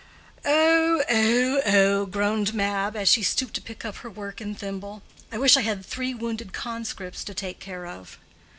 "Oh—oh—oh!" groaned Mab, as she stooped to pick up her work and thimble. "I wish I had three wounded conscripts to take care of."